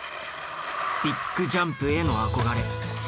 ビッグジャンプへの憧れ。